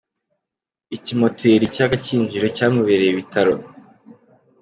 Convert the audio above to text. Ikimpoteri cy’Agakinjiro cyamubereye ibitaro